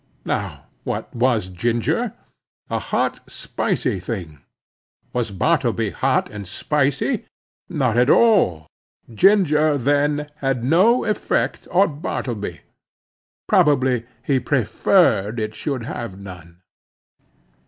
Now what was ginger? A hot, spicy thing. Was Bartleby hot and spicy? Not at all. Ginger, then, had no effect upon Bartleby. Probably he preferred it should have none.